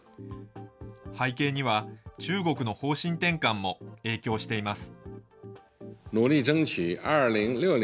背景には中国の方針転換も影響しています。